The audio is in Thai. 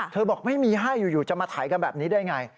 บอกไม่มีให้อยู่จะมาถ่ายกันแบบนี้ได้ไง